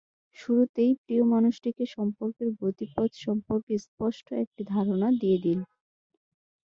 শুরুতেই প্রিয় মানুষটিকে সম্পর্কের গতিপথ সম্পর্কে স্পষ্ট একটি ধারণা দিয়ে দিন।